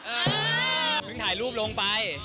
เพิ่งถ่ายรูปลงไป